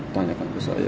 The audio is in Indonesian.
tanyakan ke saya